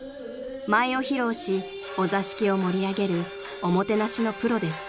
［舞を披露しお座敷を盛り上げるおもてなしのプロです］